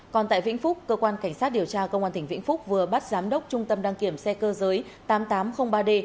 còn tại vĩnh phúc cơ quan cảnh sát điều tra công an tỉnh vĩnh phúc vừa bắt giám đốc trung tâm đăng kiểm xe cơ giới tám nghìn tám trăm linh ba d